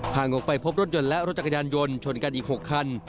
ห่างออกไปพบรถยนต์และรถจักรยานยนต์ชนกันอีก๖คัน